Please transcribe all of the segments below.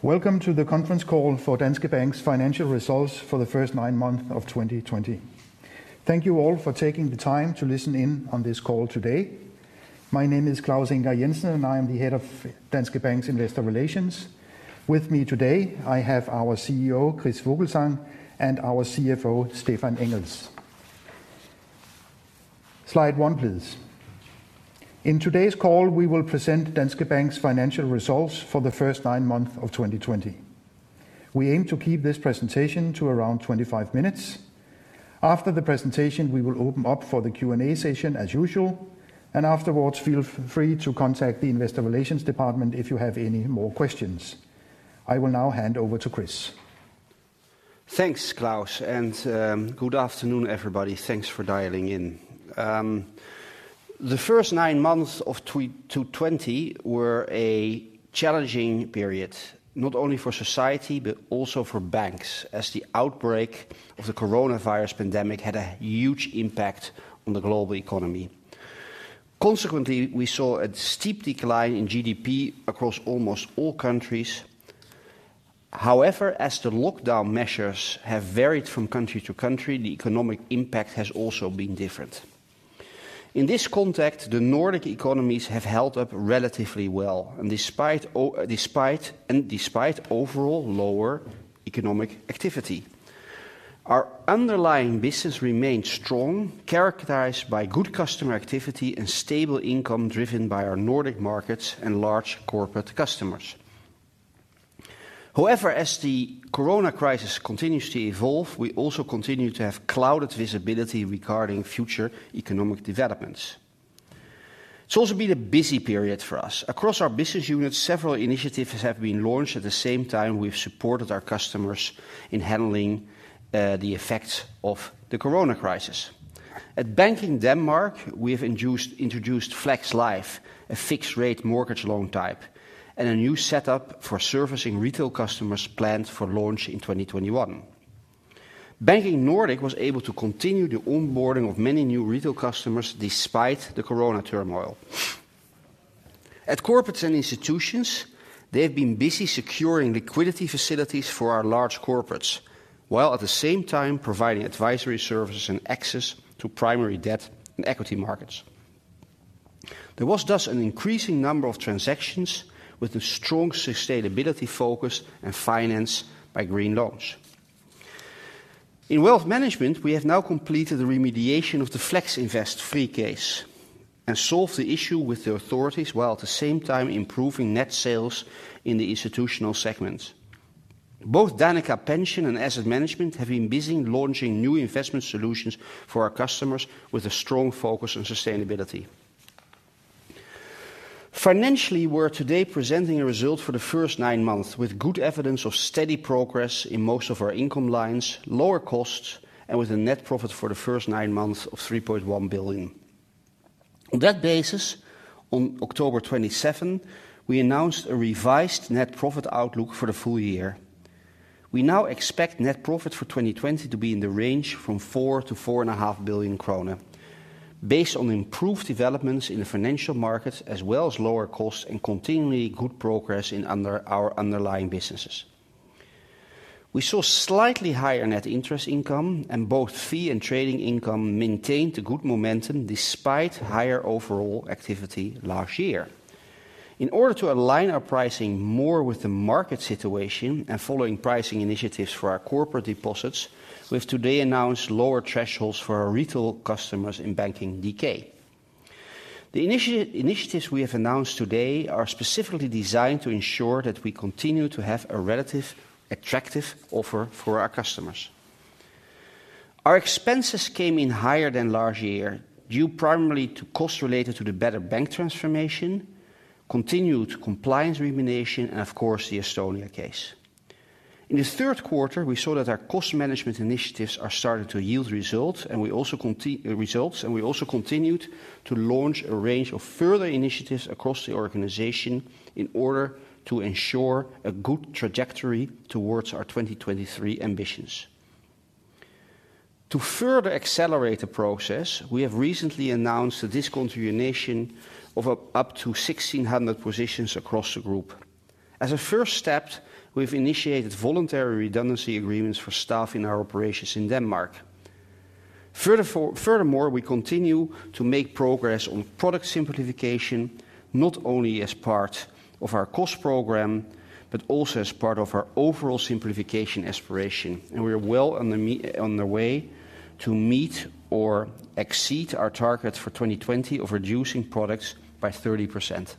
Welcome to the conference call for Danske Bank's Financial Results for the first nine months of 2020. Thank you all for taking the time to listen in on this call today. My name is Claus Ingar Jensen, and I am the Head of Danske Bank's Investor Relations. With me today, I have our CEO, Chris Vogelzang, and our CFO, Stephan Engels. Slide one, please. In today's call, we will present Danske Bank's financial results for the first nine months of 2020. We aim to keep this presentation to around 25 minutes. After the presentation, we will open up for the Q&A session as usual, and afterwards, feel free to contact the Investor Relations department if you have any more questions. I will now hand over to Chris. Thanks, Claus. Good afternoon, everybody. Thanks for dialing in. The first nine months of 2020 were a challenging period, not only for society but also for banks, as the outbreak of the coronavirus pandemic had a huge impact on the global economy. Consequently, we saw a steep decline in GDP across almost all countries. As the lockdown measures have varied from country to country, the economic impact has also been different. In this context, the Nordic economies have held up relatively well and despite overall lower economic activity. Our underlying business remains strong, characterized by good customer activity and stable income driven by our Nordic markets and large corporate customers. As the corona crisis continues to evolve, we also continue to have clouded visibility regarding future economic developments. It's also been a busy period for us. Across our business units, several initiatives have been launched. At the same time, we've supported our customers in handling the effects of the corona crisis. At Banking DK, we have introduced FlexLife, a fixed-rate mortgage loan type, and a new setup for servicing retail customers planned for launch in 2021. Banking Nordics was able to continue the onboarding of many new retail customers despite the corona turmoil. At Corporates & Institutions, they have been busy securing liquidity facilities for our large corporates, while at the same time providing advisory services and access to primary debt and equity markets. There was thus an increasing number of transactions with a strong sustainability focus and financed by green loans. In Wealth Management, we have now completed the remediation of the Flexinvest Fri fee case and solved the issue with the authorities, while at the same time improving net sales in the institutional segment. Both Danica Pension and Asset Management have been busy launching new investment solutions for our customers with a strong focus on sustainability. Financially, we're today presenting a result for the first nine months with good evidence of steady progress in most of our income lines, lower costs, and with a net profit for the first nine months of 3.1 billion. On that basis, on October 27, we announced a revised net profit outlook for the full year. We now expect net profit for 2020 to be in the range from 4 billion-4.5 billion kroner, based on improved developments in the financial markets as well as lower costs and continually good progress in our underlying businesses. We saw slightly higher net interest income, and both fee and trading income maintained a good momentum despite higher overall activity last year. In order to align our pricing more with the market situation and following pricing initiatives for our corporate deposits, we have today announced lower thresholds for our retail customers in Banking DK. The initiatives we have announced today are specifically designed to ensure that we continue to have a relative attractive offer for our customers. Our expenses came in higher than last year due primarily to costs related to the Better Bank Transformation, continued compliance remediation, and of course, the Estonia case. In the Q3, we saw that our cost management initiatives are starting to yield results, and we also continued to launch a range of further initiatives across the organization in order to ensure a good trajectory towards our 2023 ambitions. To further accelerate the process, we have recently announced the discontinuation of up to 1,600 positions across the group. As a first step, we've initiated voluntary redundancy agreements for staff in our operations in Denmark. Furthermore, we continue to make progress on product simplification, not only as part of our cost program, but also as part of our overall simplification aspiration, and we are well on the way to meet or exceed our target for 2020 of reducing products by 30%.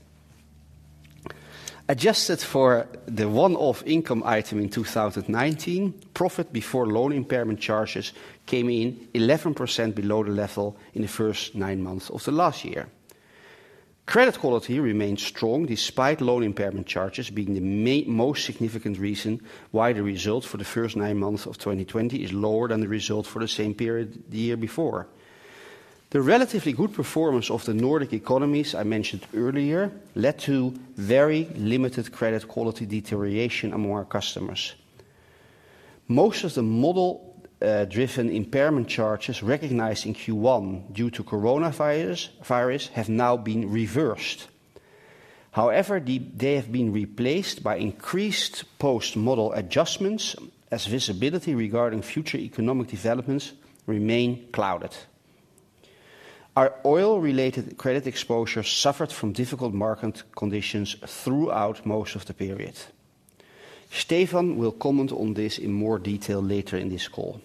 Adjusted for the one-off income item in 2019, profit before loan impairment charges came in 11% below the level in the first nine months of the last year. Credit quality remains strong despite loan impairment charges being the most significant reason why the result for the first nine months of 2020 is lower than the result for the same period the year before. The relatively good performance of the Nordic economies I mentioned earlier led to very limited credit quality deterioration among our customers. Most of the model-driven impairment charges recognized in Q1 due to coronavirus have now been reversed. However, they have been replaced by increased post-model adjustments as visibility regarding future economic developments remain clouded. Our oil-related credit exposure suffered from difficult market conditions throughout most of the period. Stephan will comment on this in more detail later in this call.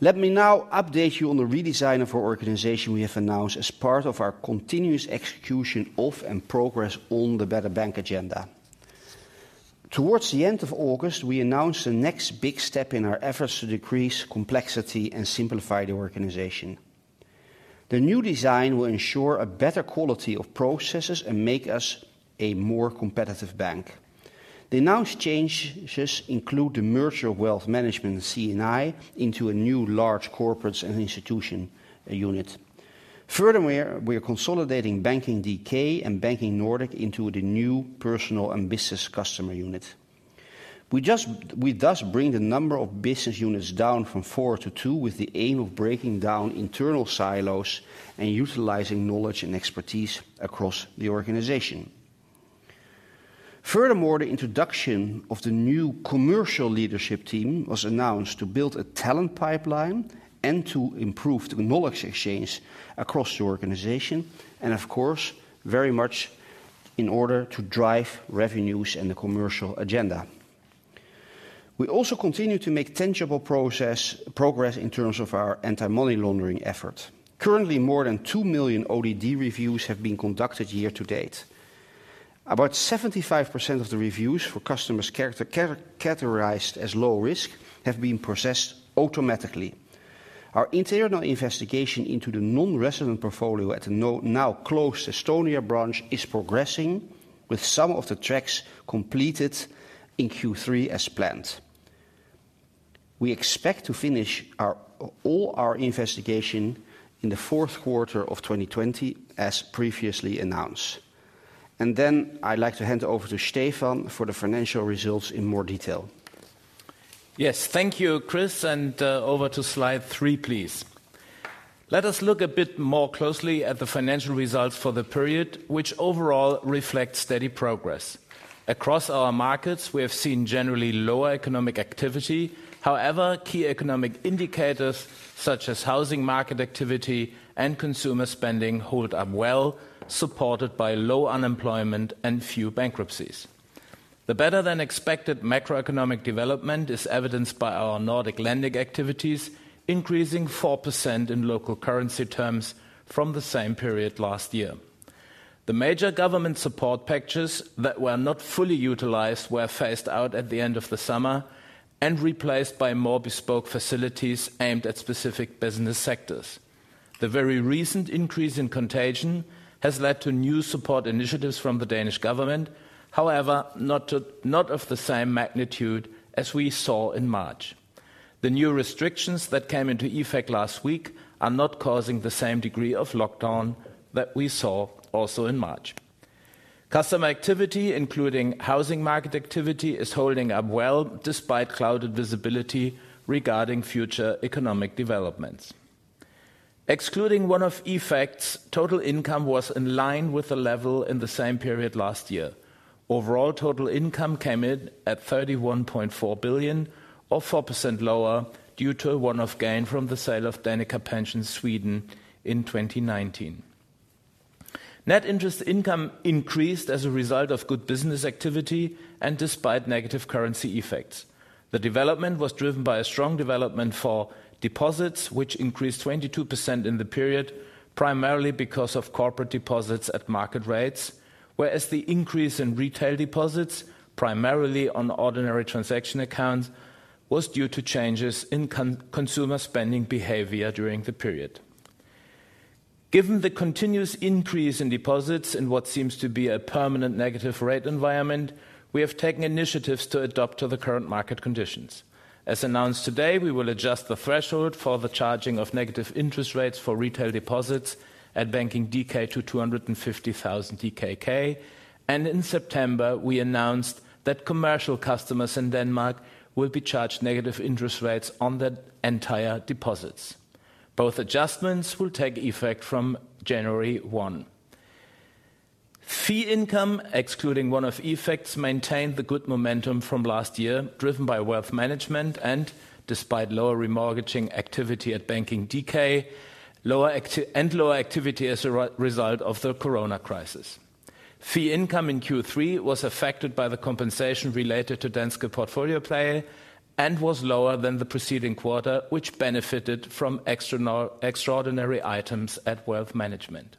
Let me now update you on the redesign of our organization we have announced as part of our continuous execution of and progress on the Better Bank Agenda. Towards the end of August, we announced the next big step in our efforts to decrease complexity and simplify the organization. The new design will ensure a better quality of processes and make us a more competitive bank. The announced changes include the merger of Wealth Management and C&I into a new Large Corporates & Institutions unit. Furthermore, we are consolidating Banking DK and Banking Nordics into the new personal and business customer unit. We thus bring the number of business units down from four to two with the aim of breaking down internal silos and utilizing knowledge and expertise across the organization. Furthermore, the introduction of the new commercial leadership team was announced to build a talent pipeline and to improve the knowledge exchange across the organization and, of course, very much in order to drive revenues and the commercial agenda. We also continue to make tangible progress in terms of our anti-money laundering effort. Currently, more than 2 million ODD reviews have been conducted year to date. About 75% of the reviews for customers categorized as low risk have been processed automatically. Our internal investigation into the non-resident portfolio at the now-closed Estonia branch is progressing with some of the tracks completed in Q3 as planned. We expect to finish all our investigation in the fourth quarter of 2020, as previously announced. Then I'd like to hand over to Stephan for the financial results in more detail. Yes. Thank you, Chris, and over to slide three, please. Let us look a bit more closely at the financial results for the period, which overall reflect steady progress. Across our markets, we have seen generally lower economic activity. However, key economic indicators such as housing market activity and consumer spending hold up well, supported by low unemployment and few bankruptcies. The better-than-expected macroeconomic development is evidenced by our Nordic lending activities increasing 4% in local currency terms from the same period last year. The major government support packages that were not fully utilized were phased out at the end of the summer and replaced by more bespoke facilities aimed at specific business sectors. The very recent increase in contagion has led to new support initiatives from the Danish government, however, not of the same magnitude as we saw in March. The new restrictions that came into effect last week are not causing the same degree of lockdown that we saw also in March. Customer activity, including housing market activity, is holding up well despite clouded visibility regarding future economic developments. Excluding one-off effects, total income was in line with the level in the same period last year. Overall, total income came in at 31.4 billion, or 4% lower due to a one-off gain from the sale of Danica Pension Sweden in 2019. Net interest income increased as a result of good business activity and despite negative currency effects. The development was driven by a strong development for deposits, which increased 22% in the period, primarily because of corporate deposits at market rates. Whereas the increase in retail deposits, primarily on ordinary transaction accounts, was due to changes in consumer spending behavior during the period. Given the continuous increase in deposits in what seems to be a permanent negative rate environment, we have taken initiatives to adapt to the current market conditions. As announced today, we will adjust the threshold for the charging of negative interest rates for retail deposits at Banking DK to 250,000 DKK, and in September, we announced that commercial customers in Denmark will be charged negative interest rates on their entire deposits. Both adjustments will take effect from January 1. Fee income, excluding one-off effects, maintained the good momentum from last year, driven by Wealth Management and despite lower remortgaging activity at Banking DK, and lower activity as a result of the coronavirus crisis. Fee income in Q3 was affected by the compensation related to Danske Porteføljepleje and was lower than the preceding quarter, which benefited from extraordinary items at Wealth Management.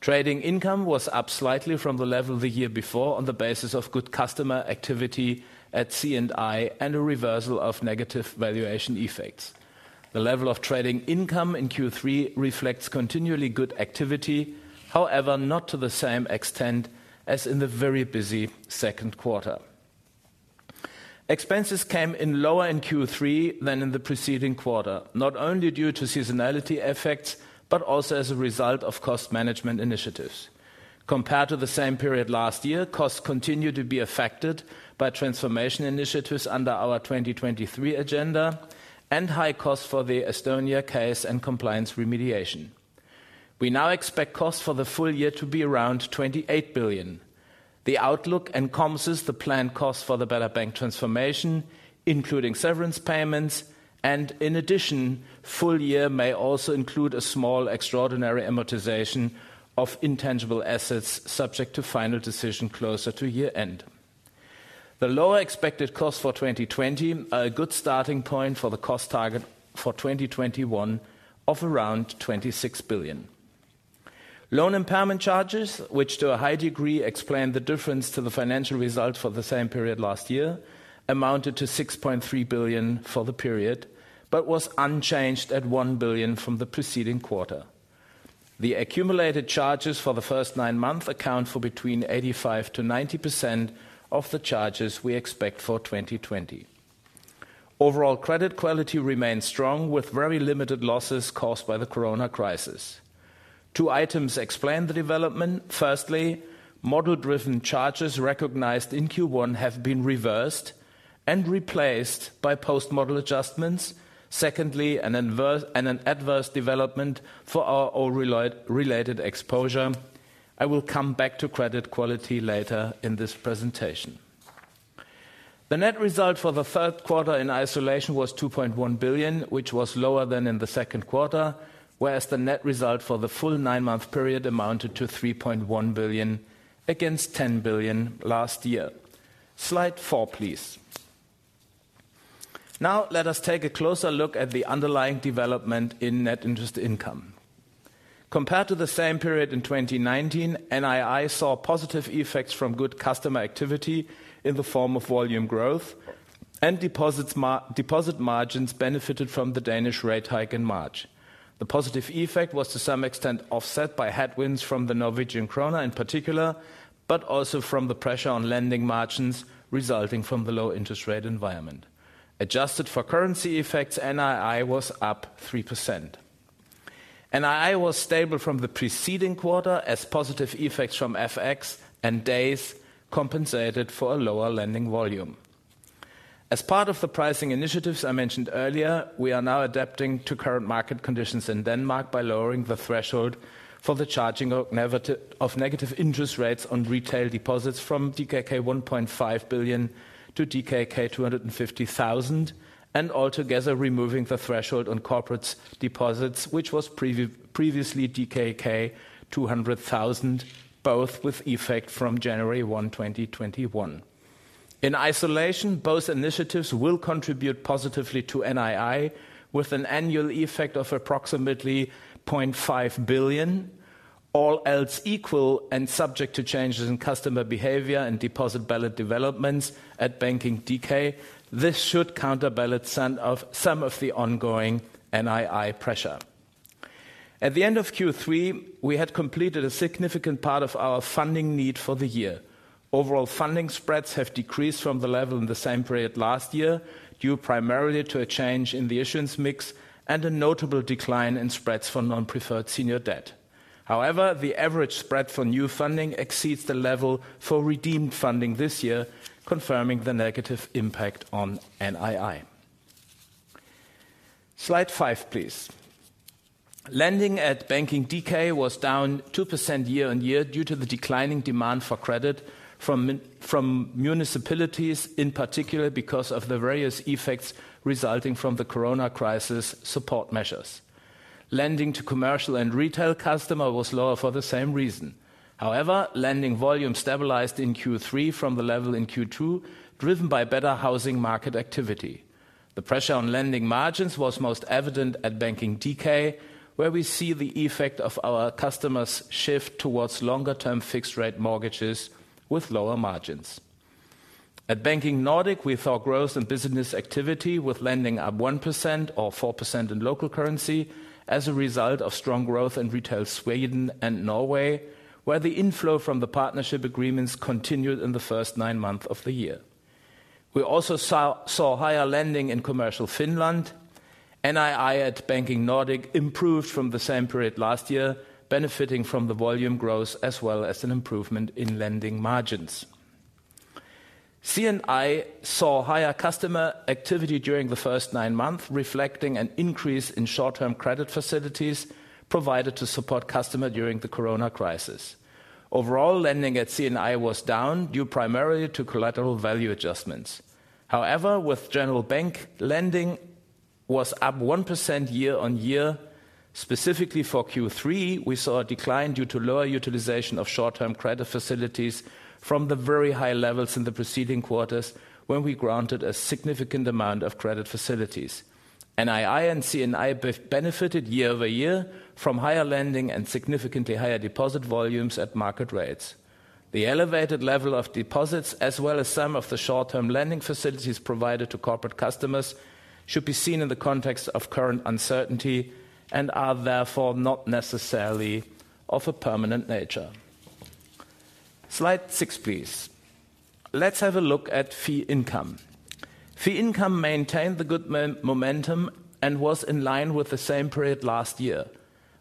Trading income was up slightly from the level the year before on the basis of good customer activity at C&I and a reversal of negative valuation effects. The level of trading income in Q3 reflects continually good activity, however, not to the same extent as in the very busy Q2. Expenses came in lower in Q3 than in the preceding quarter, not only due to seasonality effects, but also as a result of cost management initiatives. Compared to the same period last year, costs continue to be affected by transformation initiatives under our 2023 agenda and high costs for the Estonia case and compliance remediation. We now expect costs for the full year to be around 28 billion. The outlook encompasses the planned cost for the better bank transformation, including severance payments, and in addition, full year may also include a small extraordinary amortization of intangible assets subject to final decision closer to year-end. The lower expected cost for 2020 are a good starting point for the cost target for 2021 of around 26 billion. Loan impairment charges, which to a high degree explain the difference to the financial result for the same period last year, amounted to 6.3 billion for the period, but was unchanged at 1 billion from the preceding quarter. The accumulated charges for the first nine months account for between 85%-90% of the charges we expect for 2020. Overall credit quality remains strong, with very limited losses caused by the corona crisis. Two items explain the development. Firstly, model-driven charges recognized in Q1 have been reversed and replaced by post-model adjustments. Secondly, an adverse development for our oil-related exposure. I will come back to credit quality later in this presentation. The net result for the Q3 in isolation was 2.1 billion, which was lower than in the Q2, whereas the net result for the full nine-month period amounted to 3.1 billion against 10 billion last year. Slide four, please. Let us take a closer look at the underlying development in net interest income. Compared to the same period in 2019, NII saw positive effects from good customer activity in the form of volume growth and deposit margins benefited from the Danish rate hike in March. The positive effect was to some extent offset by headwinds from the Norwegian krone in particular, but also from the pressure on lending margins resulting from the low interest rate environment. Adjusted for currency effects, NII was up 3%. NII was stable from the preceding quarter as positive effects from FX and days compensated for a lower lending volume. As part of the pricing initiatives I mentioned earlier, we are now adapting to current market conditions in Denmark by lowering the threshold for the charging of negative interest rates on retail deposits from DKK 1.5 billion to DKK 250,000, and altogether removing the threshold on corporate deposits, which was previously DKK 200,000, both with effect from January 1, 2021. In isolation, both initiatives will contribute positively to NII with an annual effect of approximately 0.5 billion. All else equal and subject to changes in customer behavior and deposit balance developments at Banking DK, this should counterbalance some of the ongoing NII pressure. At the end of Q3, we had completed a significant part of our funding need for the year. Overall funding spreads have decreased from the level in the same period last year, due primarily to a change in the issuance mix and a notable decline in spreads for non-preferred senior debt. The average spread for new funding exceeds the level for redeemed funding this year, confirming the negative impact on NII. Slide five, please. Lending at Banking DK was down 2% year-on-year due to the declining demand for credit from municipalities, in particular because of the various effects resulting from the corona crisis support measures. Lending to commercial and retail customer was lower for the same reason. Lending volume stabilized in Q3 from the level in Q2, driven by better housing market activity. The pressure on lending margins was most evident at Banking DK, where we see the effect of our customers shift towards longer-term fixed rate mortgages with lower margins. At Banking Nordic, we saw growth in business activity with lending up 1% or 4% in local currency as a result of strong growth in retail Sweden and Norway, where the inflow from the partnership agreements continued in the first nine months of the year. We also saw higher lending in commercial Finland. NII at Banking Nordic improved from the same period last year, benefiting from the volume growth, as well as an improvement in lending margins. C&I saw higher customer activity during the first nine months, reflecting an increase in short-term credit facilities provided to support customer during the corona crisis. Overall, lending at C&I was down due primarily to collateral value adjustments. However, with general bank lending was up 1% year on year. Specifically for Q3, we saw a decline due to lower utilization of short-term credit facilities from the very high levels in the preceding quarters, when we granted a significant amount of credit facilities. NII and C&I both benefited year-over-year from higher lending and significantly higher deposit volumes at market rates. The elevated level of deposits, as well as some of the short-term lending facilities provided to corporate customers, should be seen in the context of current uncertainty and are therefore not necessarily of a permanent nature. Slide six, please. Let's have a look at fee income. Fee income maintained the good momentum and was in line with the same period last year.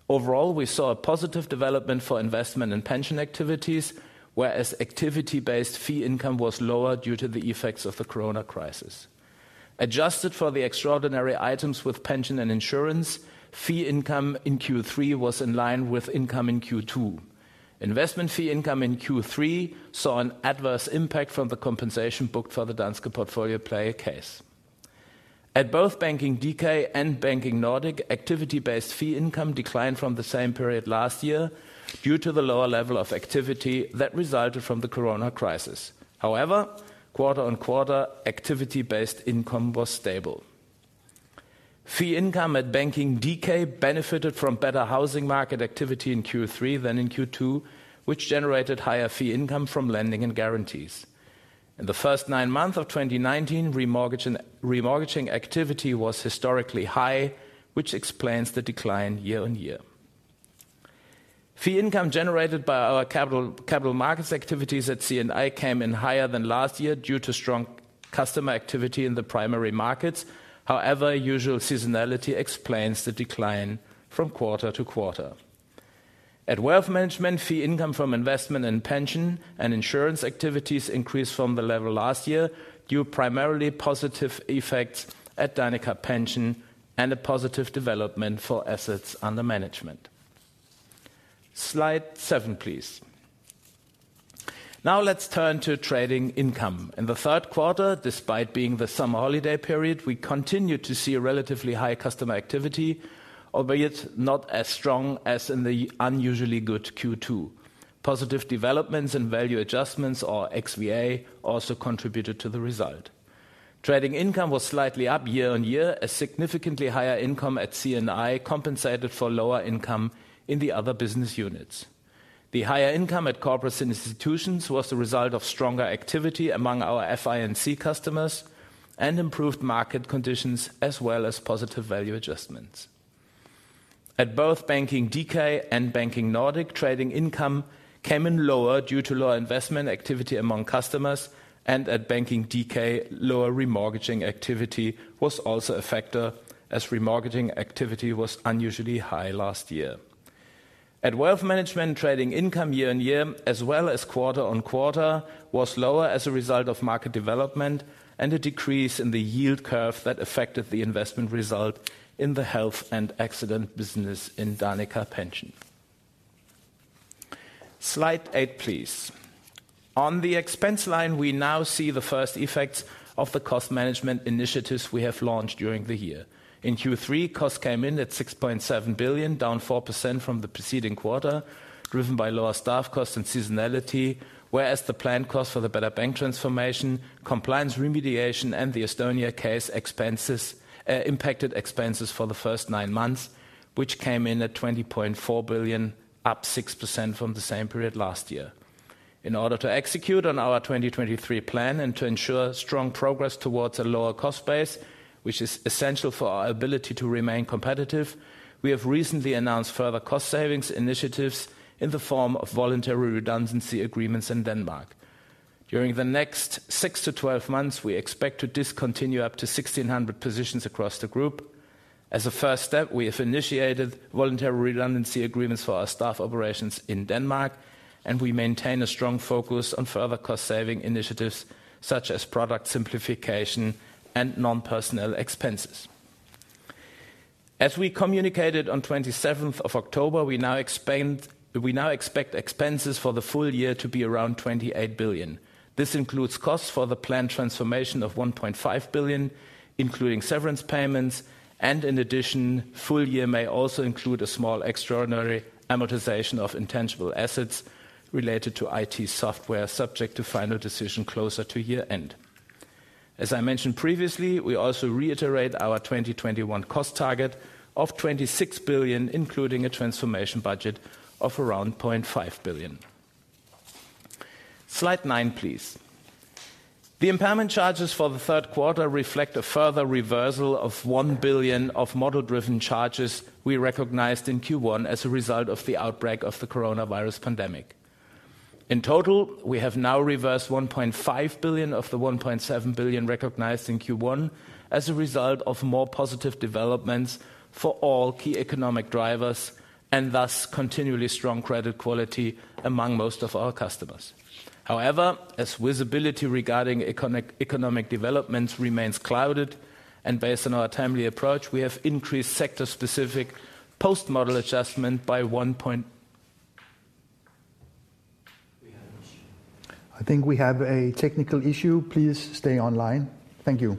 Overall, we saw a positive development for investment and pension activities, whereas activity-based fee income was lower due to the effects of the corona crisis. Adjusted for the extraordinary items with pension and insurance, fee income in Q3 was in line with income in Q2. Investment fee income in Q3 saw an adverse impact from the compensation booked for the Danske Porteføljepleje case. At both Banking DK and Banking Nordics, activity-based fee income declined from the same period last year due to the lower level of activity that resulted from the corona crisis. However, quarter-on-quarter activity-based income was stable. Fee income at Banking DK benefited from better housing market activity in Q3 than in Q2, which generated higher fee income from lending and guarantees. In the first nine months of 2019, remortgaging activity was historically high, which explains the decline year-on-year. Fee income generated by our capital markets activities at C&I came in higher than last year due to strong customer activity in the primary markets. However, usual seasonality explains the decline from quarter to quarter. At Wealth Management, fee income from investment and pension and insurance activities increased from the level last year, due primarily positive effects at Danica Pension and a positive development for assets under management. Slide seven, please. Now let's turn to trading income. In the Q3, despite being the summer holiday period, we continued to see relatively high customer activity, albeit not as strong as in the unusually good Q2. Positive developments and value adjustments or XVA also contributed to the result. Trading income was slightly up year-on-year, as significantly higher income at C&I compensated for lower income in the other business units. The higher income at Corporates & Institutions was the result of stronger activity among our FI&C customers and improved market conditions, as well as positive value adjustments. At both Banking DK and Banking Nordic, trading income came in lower due to lower investment activity among customers. At Banking DK, lower remortgaging activity was also a factor, as remortgaging activity was unusually high last year. At Wealth Management, trading income year-on-year as well as quarter-on-quarter was lower as a result of market development and a decrease in the yield curve that affected the investment result in the health and accident business in Danica Pension. Slide eight, please. On the expense line, we now see the first effects of the cost management initiatives we have launched during the year. In Q3, costs came in at 6.7 billion, down 4% from the preceding quarter, driven by lower staff costs and seasonality, whereas the planned cost for the Better Bank Transformation, compliance remediation, and the Estonia case impacted expenses for the first nine months, which came in at 20.4 billion, up 6% from the same period last year. In order to execute on our 2023 plan and to ensure strong progress towards a lower cost base, which is essential for our ability to remain competitive, we have recently announced further cost savings initiatives in the form of voluntary redundancy agreements in Denmark. During the next six to 12 months, we expect to discontinue up to 1,600 positions across the group. As a first step, we have initiated voluntary redundancy agreements for our staff operations in Denmark, and we maintain a strong focus on further cost-saving initiatives such as product simplification and non-personnel expenses. As we communicated on 27th of October, we now expect expenses for the full year to be around 28 billion. This includes costs for the planned transformation of 1.5 billion, including severance payments, and in addition, full year may also include a small extraordinary amortization of intangible assets related to IT software, subject to final decision closer to year-end. As I mentioned previously, we also reiterate our 2021 cost target of 26 billion, including a transformation budget of around 0.5 billion. Slide nine, please. The impairment charges for the Q3 reflect a further reversal of 1 billion of model-driven charges we recognized in Q1 as a result of the outbreak of the coronavirus pandemic. In total, we have now reversed 1.5 billion of the 1.7 billion recognized in Q1 as a result of more positive developments for all key economic drivers and thus continually strong credit quality among most of our customers. However, as visibility regarding economic developments remains clouded and based on our timely approach, we have increased sector-specific post-model adjustment by one point. I think we have a technical issue. Please stay online. Thank you.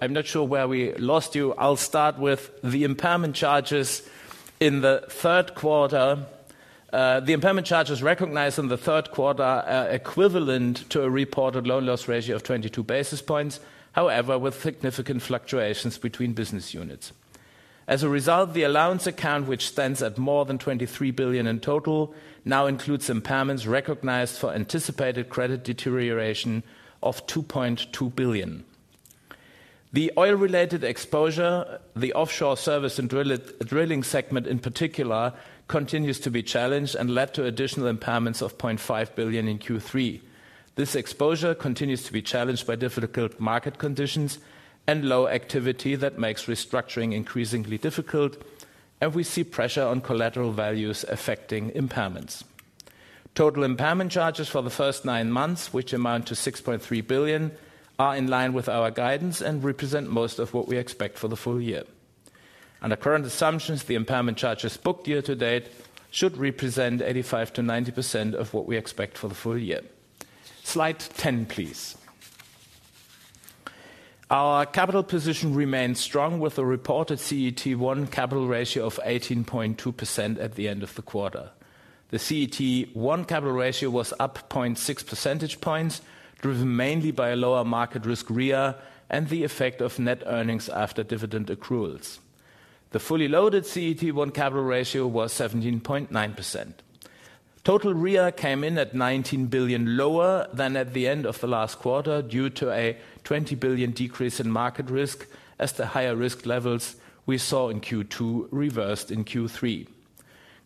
I'm not sure where we lost you. I'll start with the impairment charges in the Q3. The impairment charges recognized in the Q3 are equivalent to a reported loan loss ratio of 22 basis points, however, with significant fluctuations between business units. As a result, the allowance account, which stands at more than 23 billion in total, now includes impairments recognized for anticipated credit deterioration of 2.2 billion. The oil-related exposure, the offshore service and drilling segment in particular, continues to be challenged and led to additional impairments of 0.5 billion in Q3. This exposure continues to be challenged by difficult market conditions and low activity that makes restructuring increasingly difficult, and we see pressure on collateral values affecting impairments. Total impairment charges for the first nine months, which amount to 6.3 billion, are in line with our guidance and represent most of what we expect for the full year. Under current assumptions, the impairment charges booked year to date should represent 85%-90% of what we expect for the full year. Slide 10, please. Our capital position remains strong with a reported CET1 capital ratio of 18.2% at the end of the quarter. The CET1 capital ratio was up 0.6 percentage points, driven mainly by a lower market risk RWA and the effect of net earnings after dividend accruals. The fully loaded CET1 capital ratio was 17.9%. Total RWA came in at 19 billion, lower than at the end of the last quarter, due to a 20 billion decrease in market risk as the higher risk levels we saw in Q2 reversed in Q3.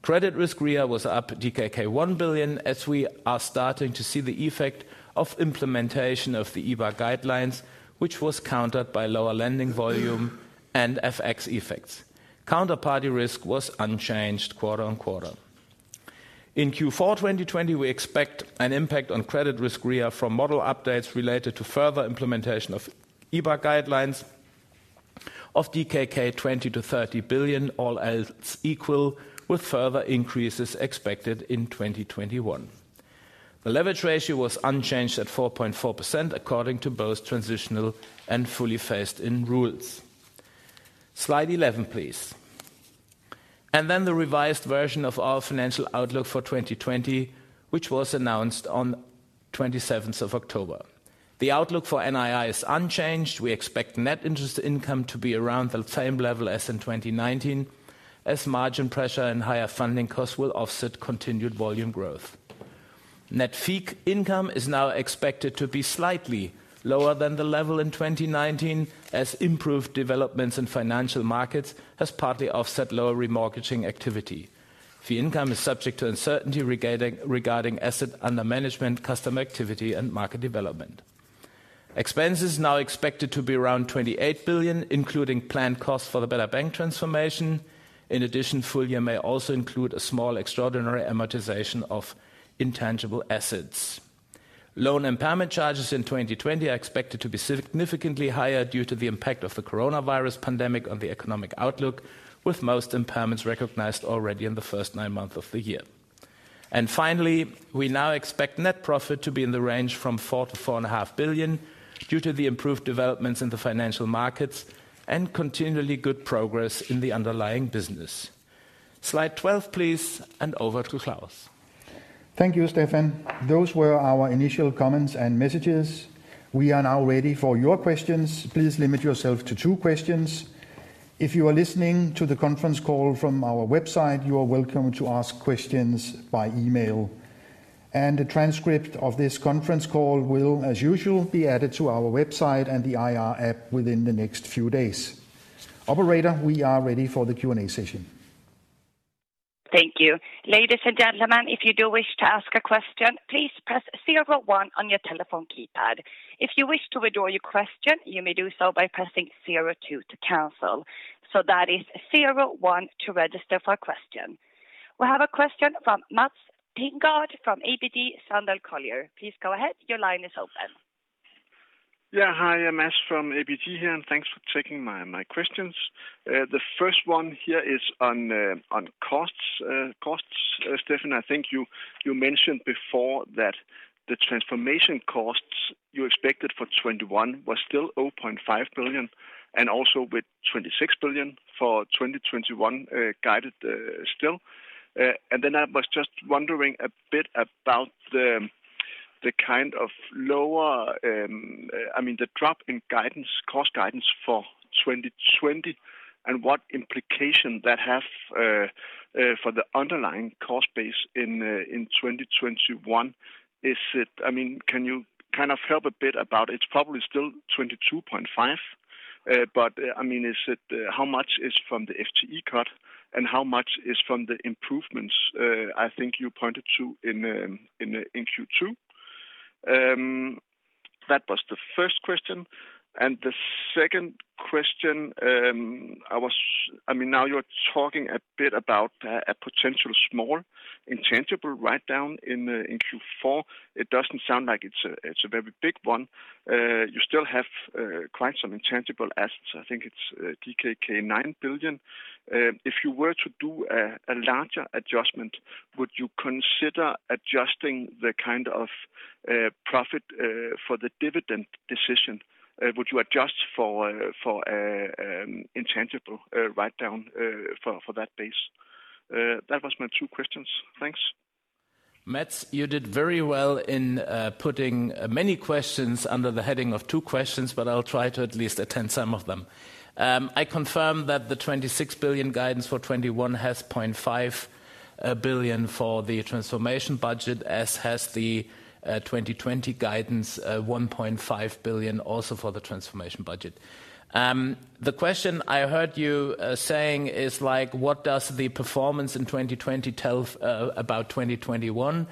Credit risk RWA was up DKK 1 billion as we are starting to see the effect of implementation of the EBA guidelines, which was countered by lower lending volume and FX effects. Counterparty risk was unchanged quarter on quarter. In Q4 2020, we expect an impact on credit risk RWA from model updates related to further implementation of EBA guidelines of DKK 20 to 30 billion, all else equal, with further increases expected in 2021. The leverage ratio was unchanged at 4.4%, according to both transitional and fully phased-in rules. Slide 11, please. The revised version of our financial outlook for 2020, which was announced on 27th of October. The outlook for NII is unchanged. We expect net interest income to be around the same level as in 2019, as margin pressure and higher funding costs will offset continued volume growth. Net fee income is now expected to be slightly lower than the level in 2019, as improved developments in financial markets has partly offset lower remortgaging activity. Fee income is subject to uncertainty regarding asset under management, customer activity, and market development. Expense is now expected to be around 28 billion, including planned costs for the better bank transformation. In addition, full year may also include a small extraordinary amortization of intangible assets. Loan impairment charges in 2020 are expected to be significantly higher due to the impact of the coronavirus pandemic on the economic outlook, with most impairments recognized already in the first nine months of the year. Finally, we now expect net profit to be in the range from 4 billion-4.5 billion due to the improved developments in the financial markets and continually good progress in the underlying business. Slide 12, please, over to Claus. Thank you, Stephan. Those were our initial comments and messages. We are now ready for your questions. Please limit yourself to two questions. If you are listening to the conference call from our website, you are welcome to ask questions by email. A transcript of this conference call will, as usual, be added to our website and the IR app within the next few days. Operator, we are ready for the Q&A session. Thank you. Ladies and gentlemen, if you do wish to ask a question, please press zero one on your telephone keypad. If you wish to withdraw your question, you may do so by pressing zero two to cancel. That is zero one to register for a question. We have a question from Mads Thinggaard from ABG Sundal Collier. Please go ahead. Your line is open. Hi, Mads from ABG here, thanks for taking my questions. The first one here is on costs. Stephan, I think you mentioned before that the transformation costs you expected for 2021 was still 0.5 billion, also with 26 billion for 2021 guided still. I was just wondering a bit about the drop in cost guidance for 2020 and what implication that have for the underlying cost base in 2021. Can you help a bit about, it's probably still 22.5, but how much is from the FTE cut and how much is from the improvements you pointed to in Q2? That was the first question. The second question, now you're talking a bit about a potential small intangible write-down in Q4. It doesn't sound like it's a very big one. You still have quite some intangible assets. I think it's DKK 9 billion. If you were to do a larger adjustment, would you consider adjusting the kind of profit for the dividend decision? Would you adjust for intangible write-down for that base? That was my two questions. Thanks. Mads, you did very well in putting many questions under the heading of two questions. I'll try to at least attend some of them. I confirm that the 26 billion guidance for 2021 has 0.5 billion for the transformation budget, as has the 2020 guidance, 1.5 billion also for the transformation budget. The question I heard you saying is what does the performance in 2020 tell about 2021?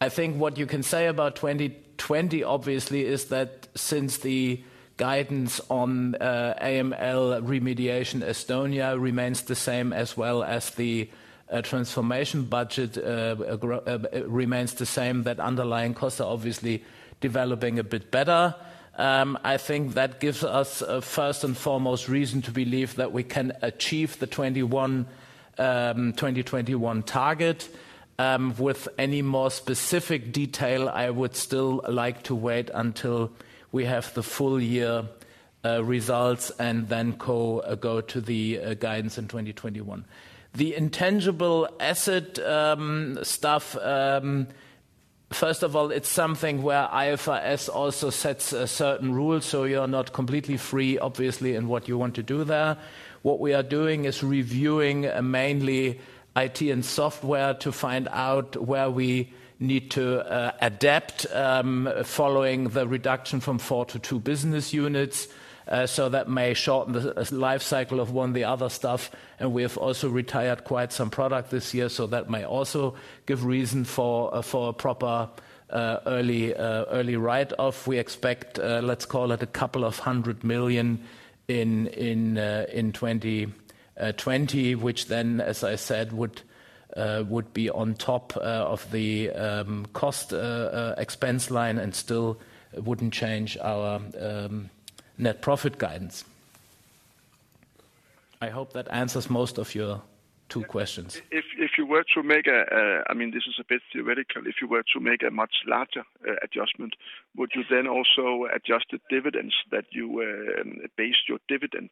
I think what you can say about 2020, obviously, is that since the guidance on AML remediation, Estonia remains the same as well as the transformation budget remains the same, that underlying costs are obviously developing a bit better. That gives us a first and foremost reason to believe that we can achieve the 2021 target. With any more specific detail, I would still like to wait until we have the full year results and then go to the guidance in 2021. The intangible asset stuff, first of all, it's something where IFRS also sets a certain rule, so you're not completely free, obviously, in what you want to do there. What we are doing is reviewing mainly IT and software to find out where we need to adapt following the reduction from four to two business units. That may shorten the life cycle of one, the other stuff, and we have also retired quite some product this year, so that may also give reason for a proper early write-off. We expect, let's call it DKK a couple of hundred million in 2020, which then, as I said, would be on top of the cost expense line and still wouldn't change our net profit guidance. I hope that answers most of your two questions. If you were to make a, this is a bit theoretical. If you were to make a much larger adjustment, would you then also adjust the dividends that you based your dividend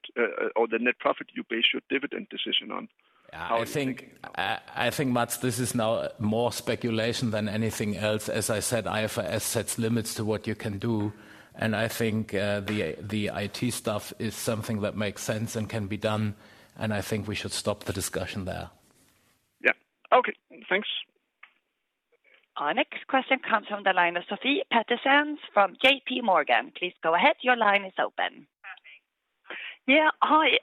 or the net profit you based your dividend decision on? How are you thinking about that? I think, Mads, this is now more speculation than anything else. As I said, IFRS sets limits to what you can do, and the IT stuff is something that makes sense and can be done, and we should stop the discussion there. Yeah. Okay, thanks. Our next question comes from the line of Sofie Peterzens from JPMorgan. Please go ahead. Your line is open. Yeah. Hi.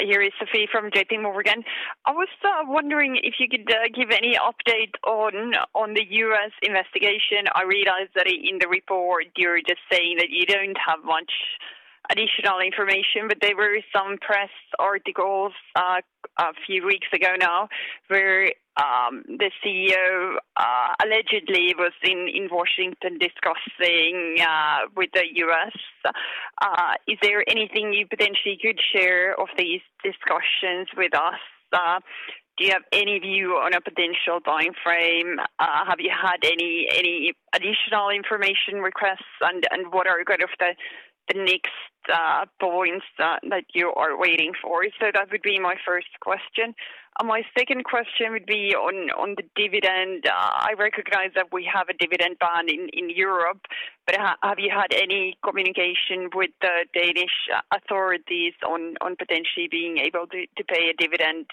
Here is Sofie from JPMorgan. I was wondering if you could give any update on the U.S. investigation. I realize that in the report you're just saying that you don't have much additional information, but there were some press articles a few weeks ago now where the CEO allegedly was in Washington discussing with the U.S. Is there anything you potentially could share of these discussions with us? Do you have any view on a potential time frame? Have you had any additional information requests, and what are kind of the next points that you are waiting for? That would be my first question. My second question would be on the dividend. I recognize that we have a dividend ban in Europe. Have you had any communication with the Danish authorities on potentially being able to pay a dividend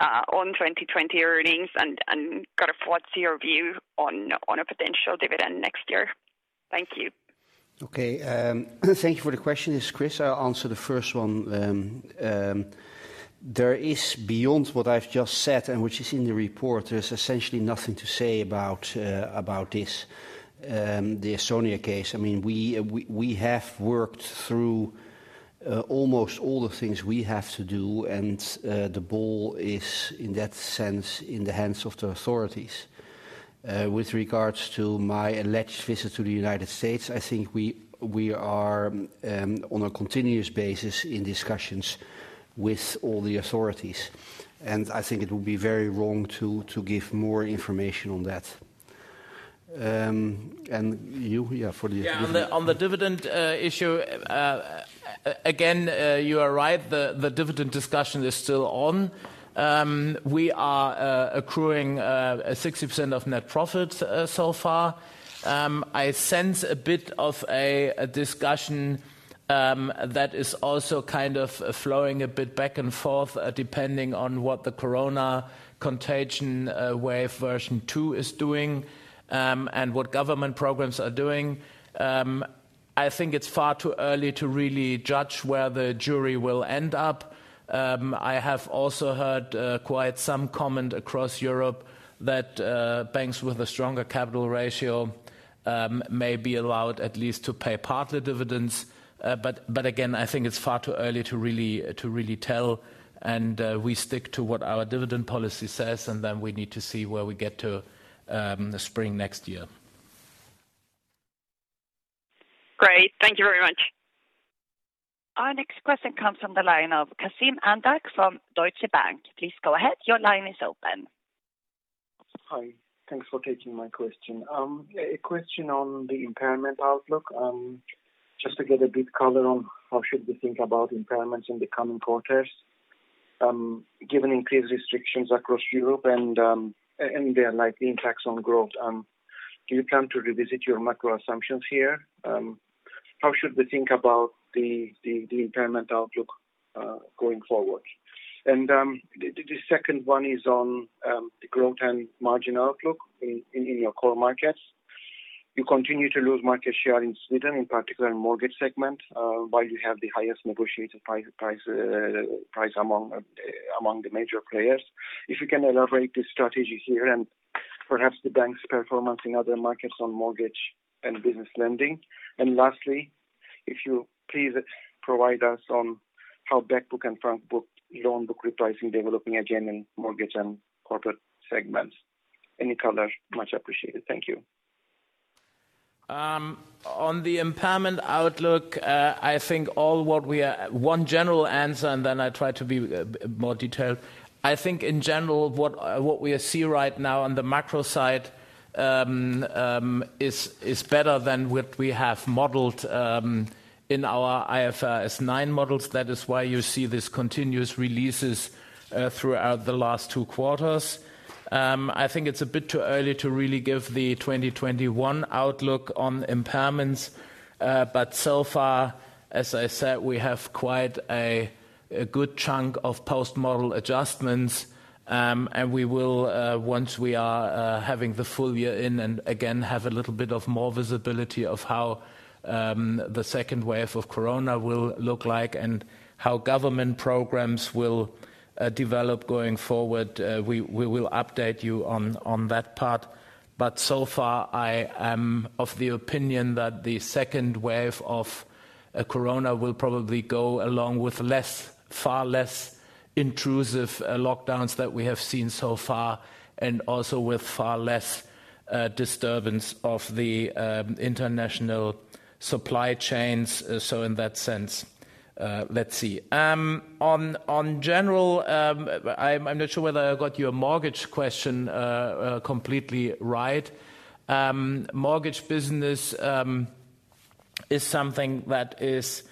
on 2020 earnings? Kind of what's your view on a potential dividend next year? Thank you. Okay. Thank you for the question. It's Chris. I'll answer the first one. There is beyond what I've just said and which is in the report, there's essentially nothing to say about this, the Estonia case. We have worked through almost all the things we have to do, and the ball is, in that sense, in the hands of the authorities. With regards to my alleged visit to the United States, I think we are on a continuous basis in discussions with all the authorities, and it would be very wrong to give more information on that. You? Yeah, for the dividend. On the dividend issue, again, you are right. The dividend discussion is still on. We are accruing 60% of net profits so far. I sense a bit of a discussion that is also kind of flowing a bit back and forth depending on what the corona contagion wave version 2 is doing and what government programs are doing. I think it's far too early to really judge where the jury will end up. I have also heard quite some comment across Europe that banks with a stronger capital ratio may be allowed at least to pay part of the dividends. Again, it's far too early to really tell, and we stick to what our dividend policy says, and then we need to see where we get to the spring next year. Great. Thank you very much. Our next question comes from the line of Kazim Andac from Deutsche Bank. Please go ahead. Your line is open. Hi. Thanks for taking my question. A question on the impairment outlook. Just to get a bit color on how should we think about impairments in the coming quarters. Given increased restrictions across Europe and their likely impacts on growth, do you plan to revisit your macro assumptions here? How should we think about the impairment outlook going forward? The second one is on the growth and margin outlook in your core markets. You continue to lose market share in Sweden, in particular in mortgage segment, while you have the highest negotiated price among the major players. If you can elaborate the strategy here and perhaps the bank's performance in other markets on mortgage and business lending. Lastly, if you please provide us on how back book and front book loan book repricing developing again in mortgage and corporate segments. Any color much appreciated. Thank you. On the impairment outlook, one general answer, then I try to be more detailed. I think in general what we see right now on the macro side, is better than what we have modeled in our IFRS 9 models. That is why you see this continuous releases throughout the last two quarters. It's a bit too early to really give the 2021 outlook on impairments. So far, as I said, we have quite a good chunk of post-model adjustments. We will, once we are having the full year in and again, have a little bit of more visibility of how the second wave of COVID will look like and how government programs will develop going forward, we will update you on that part. So far, I am of the opinion that the second wave of COVID will probably go along with far less intrusive lockdowns that we have seen so far, and also with far less disturbance of the international supply chains. In that sense, let's see. On general, I'm not sure whether I got your mortgage question completely right. Mortgage business is something that is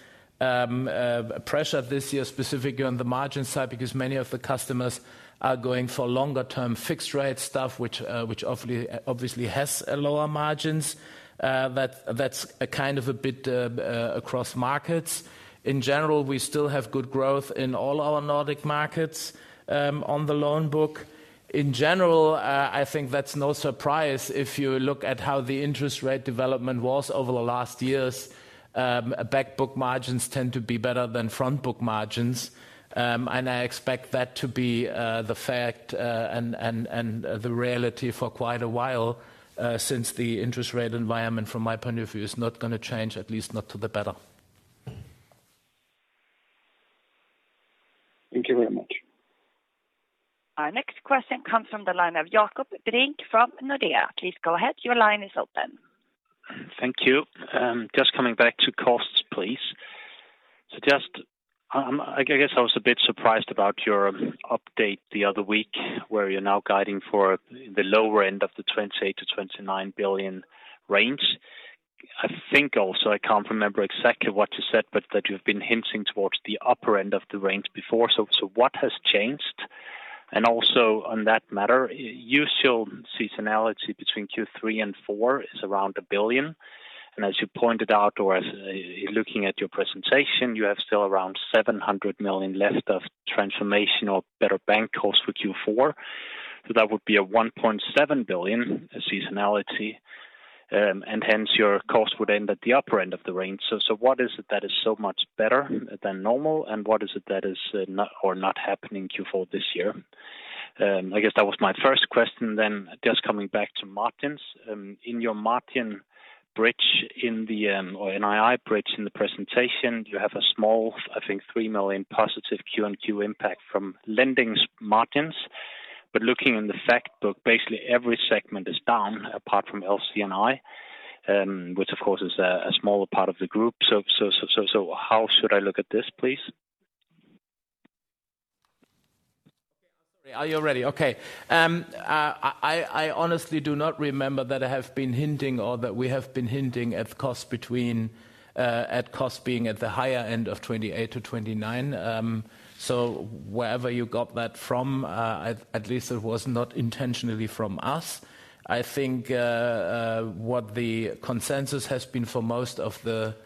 pressured this year, specifically on the margin side because many of the customers are going for longer-term fixed rate stuff, which obviously has lower margins. That's a kind of a bit across markets. In general, we still have good growth in all our Nordic markets, on the loan book. In general, I think that's no surprise if you look at how the interest rate development was over the last years. Back book margins tend to be better than front book margins. I expect that to be the fact and the reality for quite a while, since the interest rate environment, from my p oint of view, is not going to change, at least not to the better. Thank you very much. Our next question comes from the line of Jakob Brink from Nordea. Please go ahead. Your line is open. Thank you. Just coming back to costs, please. Just, I guess I was a bit surprised about your update the other week, where you're now guiding for the lower end of the 28 billion-29 billion range. I think also, I can't remember exactly what you said, but that you've been hinting towards the upper end of the range before. What has changed? Also on that matter, usual seasonality between Q3 and four is around 1 billion. As you pointed out or as looking at your presentation, you have still around 700 million left of transformation or better bank costs for Q4. That would be a 1.7 billion seasonality, and hence your cost would end at the upper end of the range. What is it that is so much better than normal, and what is it that is not happening in Q4 this year? I guess that was my first question, just coming back to margins. In your margin bridge or NII bridge in the presentation, you have a small, I think 3 million positive Q-on-Q impact from lendings margins. Looking in the fact book, basically every segment is down apart from LC&I, which of course is a smaller part of the group. How should I look at this, please? Okay. Sorry. Are you ready? Okay. I honestly do not remember that I have been hinting or that we have been hinting at cost being at the higher end of 28 to 29. Wherever you got that from, at least it was not intentionally from us. I think what the consensus has been for most of the,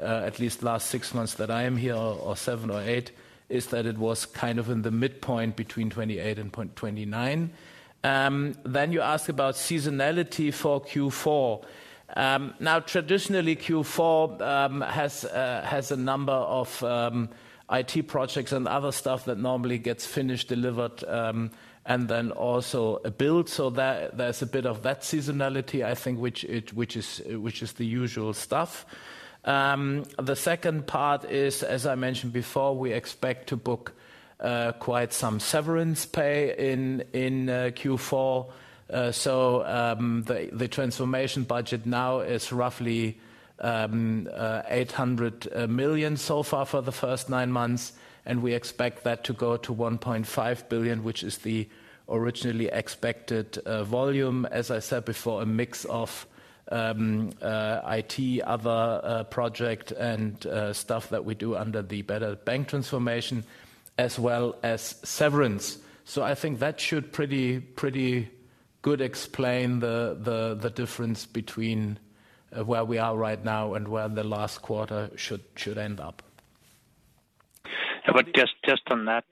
at least last six months that I am here, or seven or eight, is that it was kind of in the midpoint between 28 and 29. You ask about seasonality for Q4. Traditionally, Q4 has a number of IT projects and other stuff that normally gets finished, delivered, and then also built. There's a bit of that seasonality, which is the usual stuff. The second part is, as I mentioned before, we expect to book quite some severance pay in Q4. The transformation budget now is roughly 800 million so far for the first nine months. We expect that to go to 1.5 billion, which is the originally expected volume. As I said before, a mix of IT, other project, and stuff that we do under the better bank transformation, as well as severance. I think that should explain the difference between where we are right now and where the last quarter should end up. Just on that.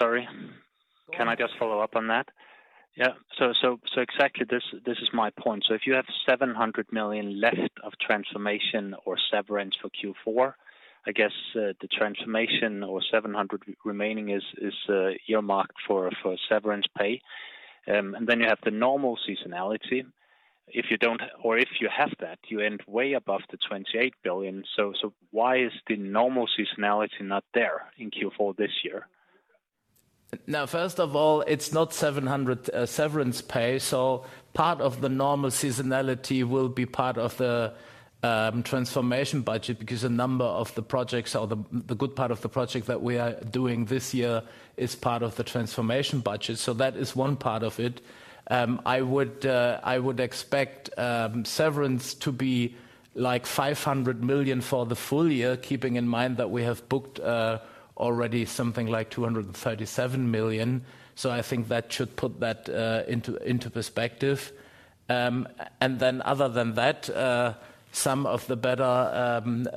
Sorry, can I just follow up on that? Yeah. Exactly, this is my point. If you have 700 million left of transformation or severance for Q4, I guess the transformation or 700 remaining is earmarked for severance pay. Then you have the normal seasonality. If you don't, or if you have that, you end way above the 28 billion. Why is the normal seasonality not there in Q4 this year? First of all, it's not 700 severance pay. Part of the normal seasonality will be part of the transformation budget because a number of the projects, or the good part of the project that we are doing this year is part of the transformation budget. That is one part of it. I would expect severance to be like 500 million for the full year, keeping in mind that we have booked already something like 237 million. I think that should put that into perspective. Other than that, some of the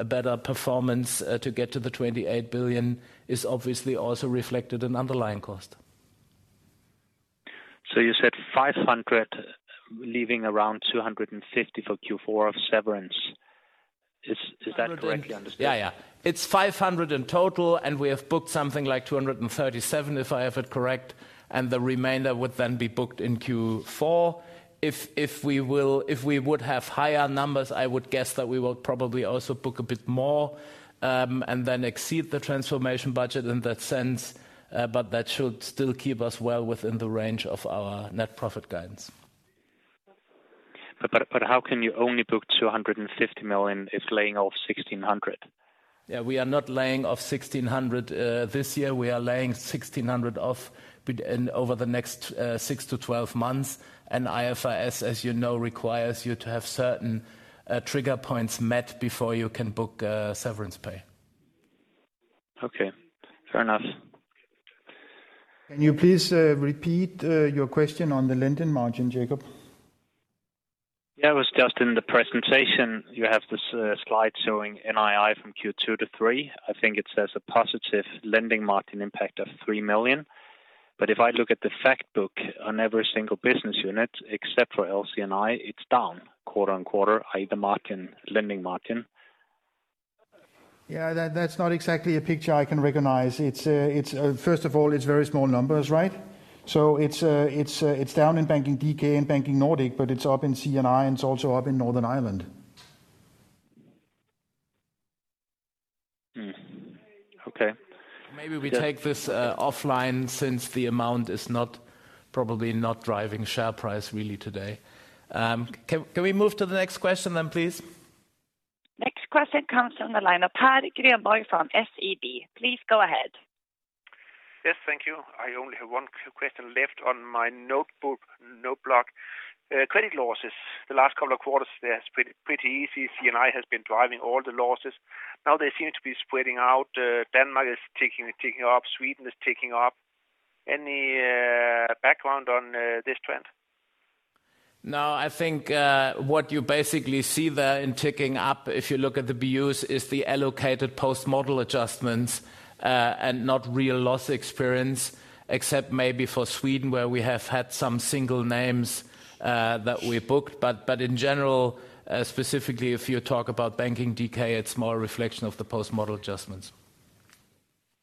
better performance to get to the 28 billion is obviously also reflected in underlying cost. You said 500, leaving around 250 for Q4 of severance. Is that correctly understood? It's 500 in total, and we have booked something like 237, if I have it correct, and the remainder would then be booked in Q4. If we would have higher numbers, I would guess that we will probably also book a bit more, and then exceed the transformation budget in that sense. That should still keep us well within the range of our net profit guidance. How can you only book 250 million? It's laying off 1,600. Yeah, we are not laying off 1,600 this year. We are laying 1,600 off over the next six to 12 months, and IFRS, as you know, requires you to have certain trigger points met before you can book severance pay. Okay. Fair enough. Can you please repeat your question on the lending margin, Jakob? Yeah, it was just in the presentation, you have this slide showing NII from Q2 to three. I think it says a positive lending margin impact of 3 million. If I look at the fact book on every single business unit, except for LC&I, it's down quarter-on-quarter, i.e. the lending margin. That's not exactly a picture I can recognize. First of all, it's very small numbers, right? It's down in Banking DK and Banking Nordics, but it's up in C&I, and it's also up in Northern Ireland. Okay. Maybe we take this offline since the amount is probably not driving share price really today. Can we move to the next question then, please? Next question comes from the line of Pat Greenboy from SEB. Please go ahead. Yes. Thank you. I only have one question left on my notebook, note block. Credit losses. The last couple of quarters, it's pretty easy. C&I has been driving all the losses. They seem to be spreading out. Denmark is ticking up. Sweden is ticking up. Any background on this trend? No. I think what you basically see there in ticking up, if you look at the BUs, is the allocated post-model adjustments, and not real loss experience, except maybe for Sweden, where we have had some single names that we booked. In general, specifically if you talk about Banking DK, it's more a reflection of the post-model adjustments.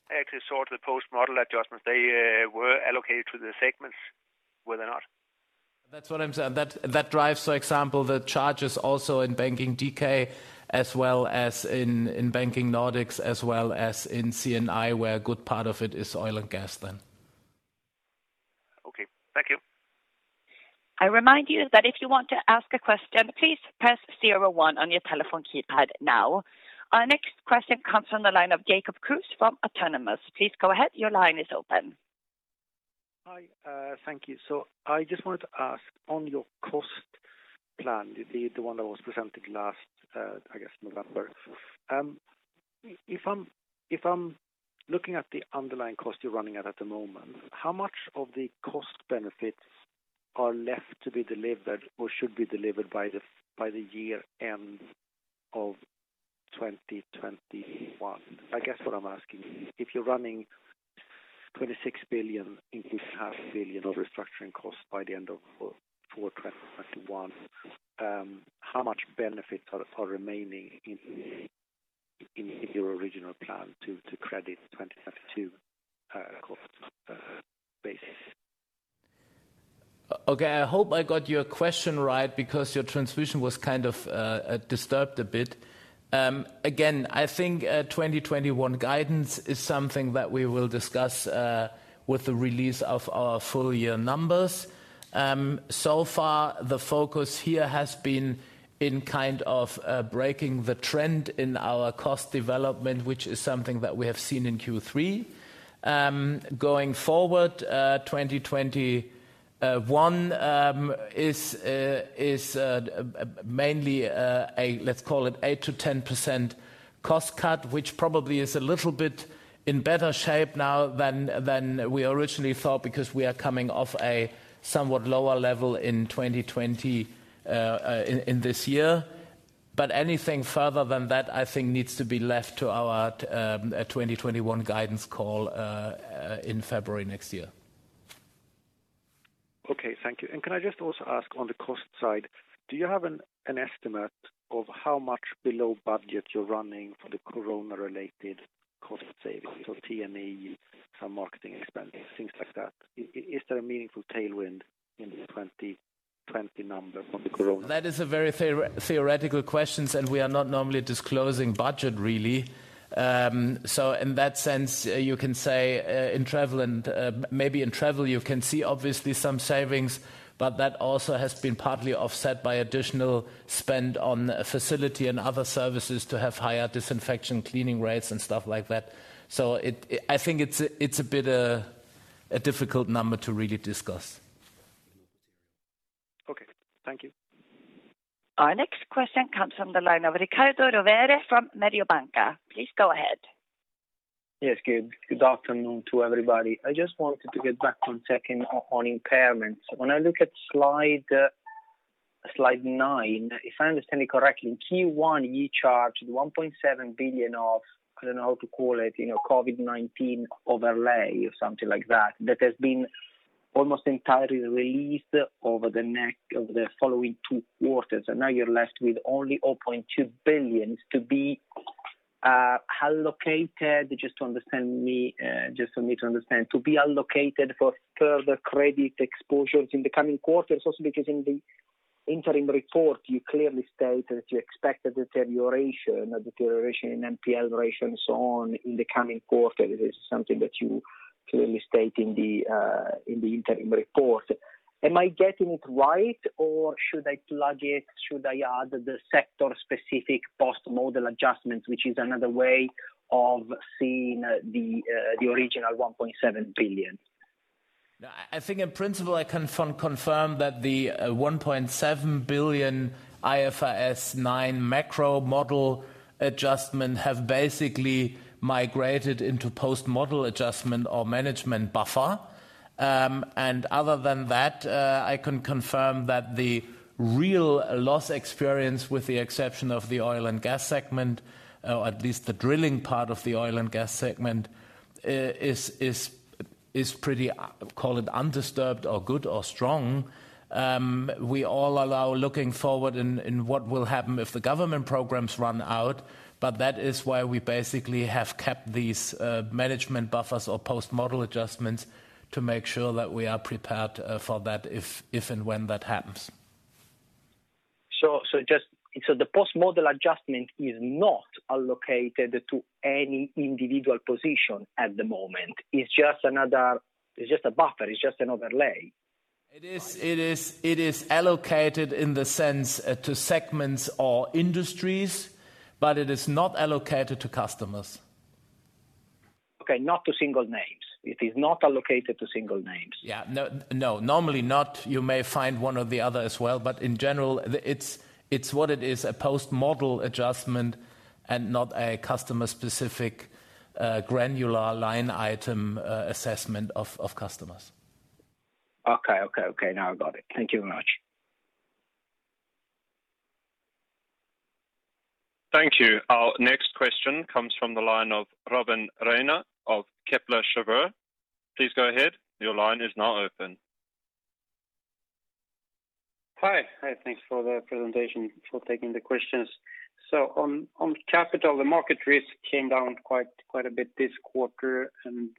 I actually saw the post-model adjustments. They were allocated to the segments. Were they not? That's what I'm saying. That drives, for example, the charges also in Banking DK, as well as in Banking Nordics, as well as in C&I, where a good part of it is oil and gas then. Okay. Thank you. Our next question comes from the line of Jacob Kruse from Autonomous. Please go ahead. Your line is open. Hi. Thank you. I just wanted to ask on your cost plan, the one that was presented last, I guess November. If I'm looking at the underlying cost you're running at at the moment, how much of the cost benefits are left to be delivered or should be delivered by the year end of 2021? I guess what I'm asking is, if you're running 26 billion, increase DKK half billion of restructuring costs by the end of full 2021, how much benefits are remaining in your original plan to credit 2022 cost basis? Okay. I hope I got your question right because your transmission was kind of disturbed a bit. I think 2021 guidance is something that we will discuss with the release of our full year numbers. So far the focus here has been in kind of breaking the trend in our cost development, which is something that we have seen in Q3. Going forward, 2021 is mainly, let's call it 8%-10% cost cut, which probably is a little bit in better shape now than we originally thought because we are coming off a somewhat lower level in 2020, in this year. Anything further than that needs to be left to our 2021 guidance call in February next year. Okay, thank you. Can I just also ask on the cost side, do you have an estimate of how much below budget you're running for the corona-related cost savings? T&E, some marketing expenses, things like that. Is there a meaningful tailwind in the 2020 number from the corona? That is a very theoretical question, and we are not normally disclosing budget, really. In that sense, you can say maybe in travel, you can see obviously some savings, but that also has been partly offset by additional spend on facility and other services to have higher disinfection cleaning rates and stuff like that. I think it's a bit of a difficult number to really discuss. Okay. Thank you. Our next question comes from the line of Riccardo Rovere from Mediobanca. Please go ahead. Yes. Good afternoon to everybody. I just wanted to get back to checking on impairments. When I look at slide nine, if I understand it correctly, in Q1, you charged 1.7 billion of, I don't know how to call it, COVID-19 overlay or something like that has been almost entirely released over the following two quarters, and now you're left with only 0.2 billion to be allocated, just for me to understand, to be allocated for further credit exposures in the coming quarters. Because in the interim report, you clearly state that you expect a deterioration in NPL ratio and so on in the coming quarter. This is something that you clearly state in the interim report. Am I getting it right, or should I plug it, should I add the sector-specific post-model adjustments, which is another way of seeing the original 1.7 billion? I think in principle, I can confirm that the 1.7 billion IFRS 9 macro model adjustment have basically migrated into post-model adjustment or management buffer. Other than that, I can confirm that the real loss experience, with the exception of the oil and gas segment, or at least the drilling part of the oil and gas segment, is pretty, call it undisturbed or good or strong. We all allow looking forward in what will happen if the government programs run out, that is why we basically have kept these management buffers or post-model adjustments to make sure that we are prepared for that if and when that happens. The post-model adjustment is not allocated to any individual position at the moment. It's just a buffer, it's just an overlay. It is allocated in the sense to segments or industries, but it is not allocated to customers. Okay. Not to single names. It is not allocated to single names. Yeah. No, normally not. You may find one or the other as well, but in general, it's what it is, a post-model adjustment and not a customer-specific granular line item assessment of customers. Okay. Now I got it. Thank you very much. Thank you. Our next question comes from the line of Robin Rane of Kepler Cheuvreux. Please go ahead. Hi. Thanks for the presentation, for taking the questions. On capital, the market risk came down quite a bit this quarter, and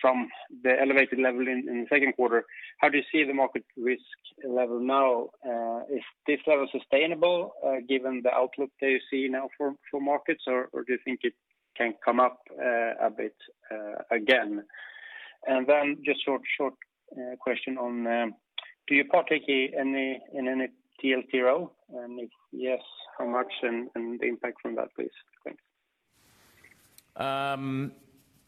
from the elevated level in the Q2. How do you see the market risk level now? Is this level sustainable given the outlook that you see now for markets, or do you think it can come up a bit again? Just short question on, do you partake in any TLTRO, and if yes, how much and the impact from that, please? Thanks.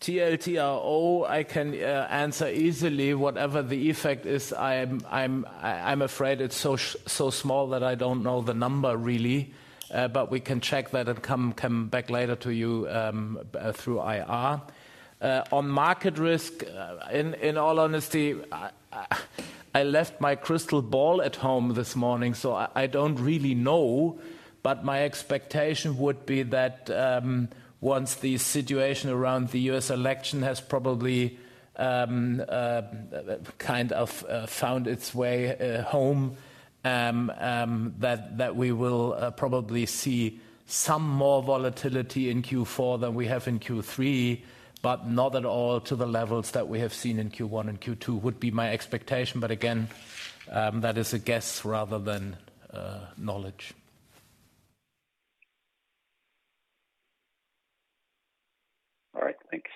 TLTRO, I can answer easily. Whatever the effect is, I'm afraid it's so small that I don't know the number really. We can check that and come back later to you through IR. On market risk, in all honesty, I left my crystal ball at home this morning, so I don't really know, but my expectation would be that once the situation around the U.S. election has probably found its way home, that we will probably see some more volatility in Q4 than we have in Q3, but not at all to the levels that we have seen in Q1 and Q2, would be my expectation. Again, that is a guess rather than knowledge. All right. Thanks.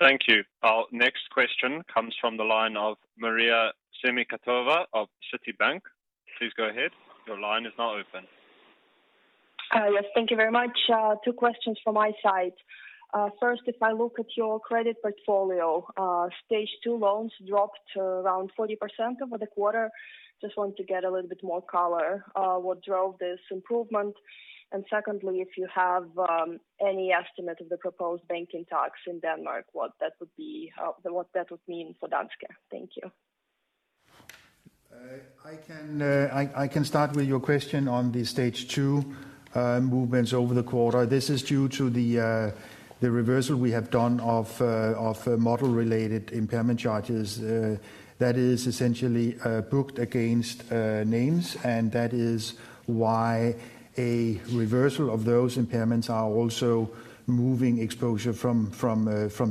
Thank you. Our next question comes from the line of Maria Semikhatova of Citibank. Please go ahead. Your line is now open. Yes. Thank you very much. Two questions from my side. First, if I look at your credit portfolio, Stage 2 loans dropped around 40% over the quarter. Just want to get a little bit more color what drove this improvement. And secondly, if you have any estimate of the proposed banking tax in Denmark, what that would mean for Danske. Thank you. I can start with your question on the stage 2 movements over the quarter. This is due to the reversal we have done of model-related impairment charges that is essentially booked against names. That is why a reversal of those impairments are also moving exposure from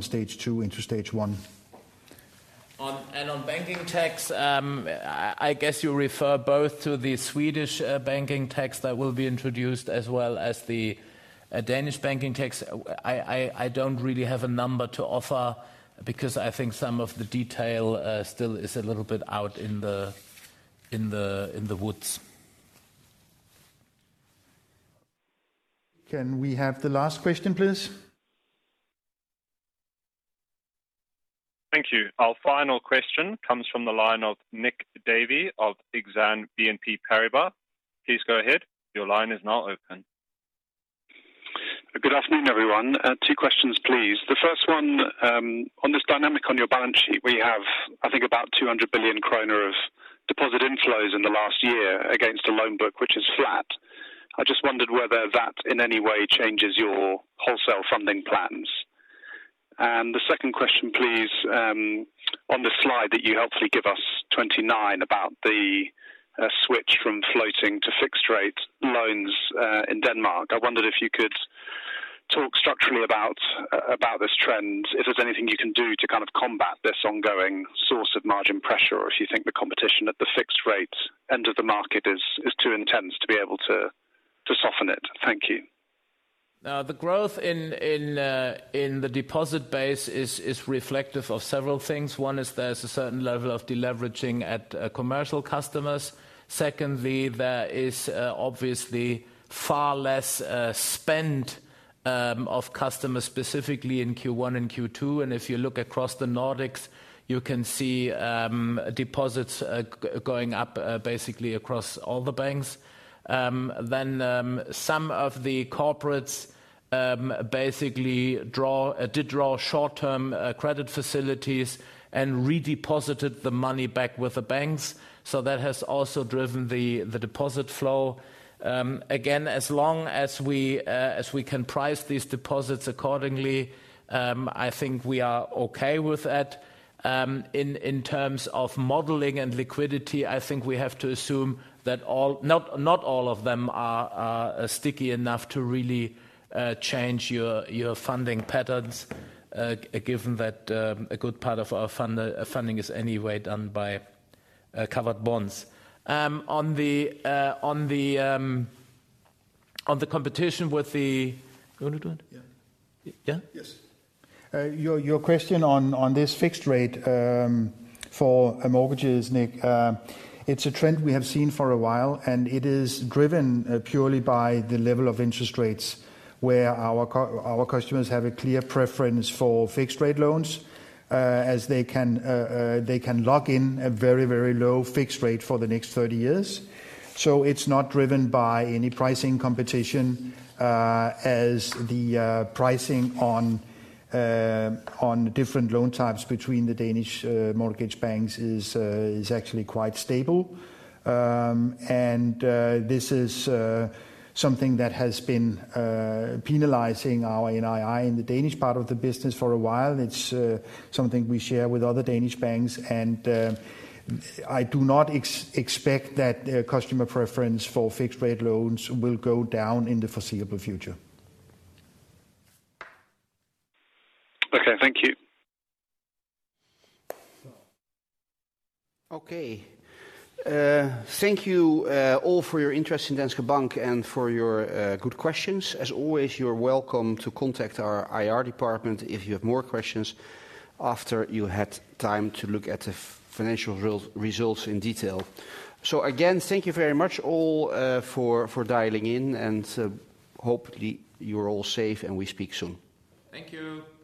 stage 2 into stage 1. On banking tax, I guess you refer both to the Swedish banking tax that will be introduced as well as the Danish banking tax. I don't really have a number to offer because I think some of the detail still is a little bit out in the woods. Can we have the last question, please? Thank you. Our final question comes from the line of Nick Davey of Exane BNP Paribas. Please go ahead. Good afternoon, everyone. Two questions, please. The first one, on this dynamic on your balance sheet, where you have, I think, about 200 billion kroner of deposit inflows in the last year against a loan book which is flat. I just wondered whether that in any way changes your wholesale funding plans. The second question please, on the slide that you helpfully give us, 29, about the switch from floating to fixed rates loans in Denmark. I wondered if you could talk structurally about this trend, if there's anything you can do to combat this ongoing source of margin pressure, or if you think the competition at the fixed rates end of the market is too intense to be able to soften it. Thank you. The growth in the deposit base is reflective of several things. One is there's a certain level of deleveraging at commercial customers. Secondly, there is obviously far less spend of customers, specifically in Q1 and Q2. If you look across the Nordics, you can see deposits going up basically across all the banks. Some of the corporates basically did draw short-term credit facilities and redeposited the money back with the banks. That has also driven the deposit flow. Again, as long as we can price these deposits accordingly, I think we are okay with that. In terms of modeling and liquidity, I think we have to assume that not all of them are sticky enough to really change your funding patterns, given that a good part of our funding is anyway done by covered bonds. On the competition. You want to do it? Yeah. Yeah? Yes. Your question on this fixed rate for mortgages, Nick. It's a trend we have seen for a while, and it is driven purely by the level of interest rates, where our customers have a clear preference for fixed rate loans as they can lock in a very low fixed rate for the next 30 years. It's not driven by any pricing competition, as the pricing on different loan types between the Danish mortgage banks is actually quite stable. This is something that has been penalizing our NII in the Danish part of the business for a while. It's something we share with other Danish banks, and I do not expect that customer preference for fixed rate loans will go down in the foreseeable future. Okay. Thank you. Okay. Thank you all for your interest in Danske Bank and for your good questions. As always, you are welcome to contact our IR department if you have more questions after you had time to look at the financial results in detail. Again, thank you very much all for dialing in, and hopefully you're all safe and we speak soon. Thank you.